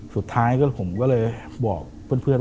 สุดท้ายผมก็เลยบอกเพื่อน